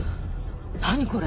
何これ。